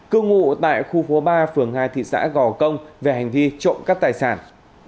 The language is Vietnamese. cư ngụ tại khu phố ba phường hai thị xã gò công về hành vi trộm cắp tài sản